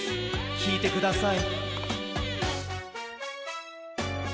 きいてください。